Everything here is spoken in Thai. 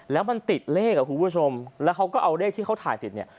แล้วมันติดเลขอ่ะคุณผู้ชมแล้วเขาก็เอาเลขที่เขาถ่ายติดเนี่ย